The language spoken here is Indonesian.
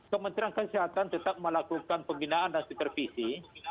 kementerian kesehatan tetap melakukan pembinaan dan supervisi